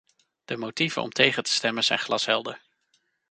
De motieven om tegen te stemmen zijn glashelder.